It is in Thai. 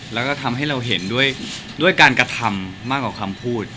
แล้วก็ทำให้เราเห็นด้วยการกระทำมากกว่าคำพูด